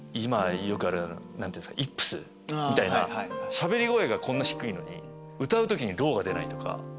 しゃべり声がこんな低いのに歌う時にローが出ないとか。